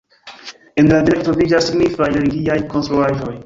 En la vilaĝo troviĝas signifaj religiaj konstruaĵoj.